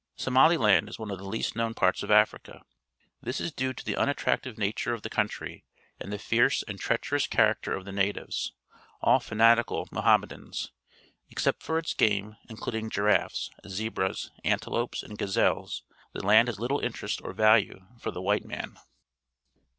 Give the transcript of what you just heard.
Somaliland is one of the least known parts of Africa. This is due to the unattractive nature of the country and the fierce and treacherous charac ter of the natives, all fanatical ISIohammed ans. Except for its game, including giraff'es, zebras, antelopes, and gazelles, the land has little interest or ^'alue for the wliite man.